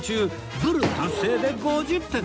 ブル達成で５０点